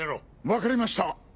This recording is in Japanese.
分かりました。